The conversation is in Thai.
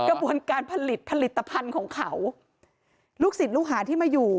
กระบวนการผลิตผลิตภัณฑ์ของเขาลูกศิษย์ลูกหาที่มาอยู่